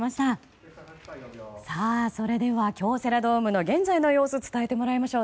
それでは、京セラドームの現在の様子を伝えてもらいましょう。